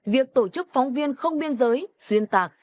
việc tổ chức phóng viên không biên giới xuyên tạc